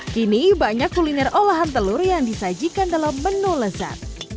kini banyak kuliner olahan telur yang disajikan dalam menu lezat